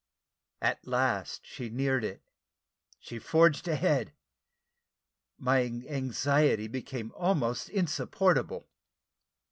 At last, as she neared it, she forged a head: my anxiety became almost insupportable.